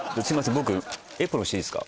僕エプロンしていいですか？